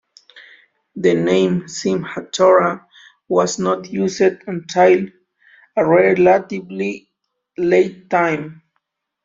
The name "Simhat Torah" was not used until a relatively late time.